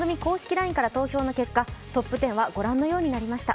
ＬＩＮＥから投票の結果、トップ１０はご覧のようになりました。